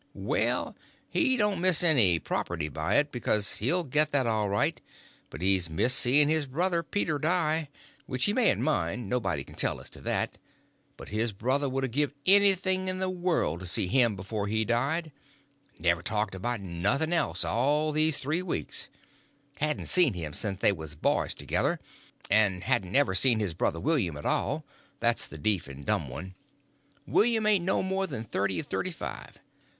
"Well, he don't miss any property by it, because he'll get that all right; but he's missed seeing his brother Peter die—which he mayn't mind, nobody can tell as to that—but his brother would a give anything in this world to see him before he died; never talked about nothing else all these three weeks; hadn't seen him since they was boys together—and hadn't ever seen his brother William at all—that's the deef and dumb one—William ain't more than thirty or thirty five.